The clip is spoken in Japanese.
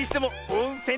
おんせん！